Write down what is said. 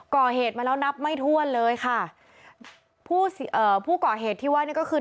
ก่อเหตุมาแล้วนับไม่ถ้วนเลยค่ะผู้เอ่อผู้ก่อเหตุที่ว่านี่ก็คือ